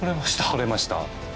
取れました。